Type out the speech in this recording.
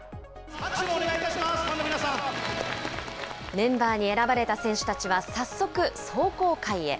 メンバーに選ばれた選手たちは早速、壮行会へ。